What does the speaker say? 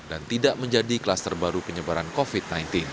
dan tidak menjadi klaster baru penyebaran covid sembilan belas